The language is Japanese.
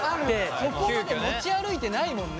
そこまで持ち歩いてないもんね。